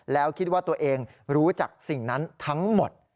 แล้วคิดว่าตัวเองรู้จักสิ่งนั้นทั้งหมด